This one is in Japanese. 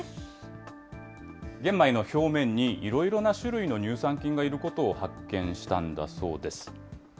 玄米の表面に、いろいろな種類の乳酸菌がいることを発見したんだそうです。